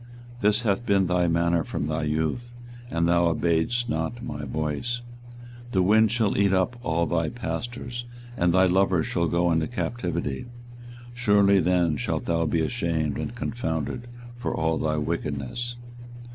This hath been thy manner from thy youth, that thou obeyedst not my voice. 24:022:022 The wind shall eat up all thy pastors, and thy lovers shall go into captivity: surely then shalt thou be ashamed and confounded for all thy wickedness.